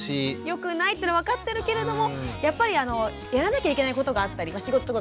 よくないっていうのは分かってるけれどもやっぱりやらなきゃいけないことがあったり仕事とか家事とか。